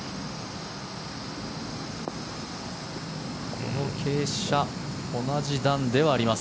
この傾斜同じ段ではあります。